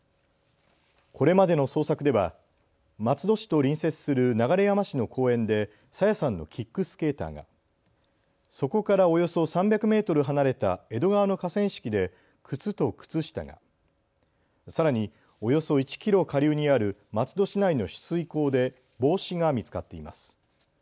これまでの捜索では松戸市と隣接する流山市の公園で朝芽さんのキックスケーターが、そこからおよそ３００メートル離れた江戸川の河川敷で靴と靴下が、さらにおよそ１キロ下流にある松戸市内の取水口で帽子が見つかっています。